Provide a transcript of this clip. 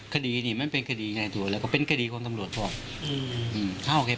คดีนี่มันเป็นคดีใหญ่ตัวแล้วก็เป็นคดีของตำรวจพ่ออืม